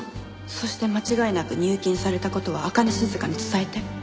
そして間違いなく入金された事を朱音静に伝えて。